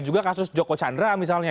juga kasus joko chandra misalnya